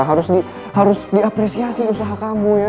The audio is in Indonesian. harus diapresiasi usaha kamu ya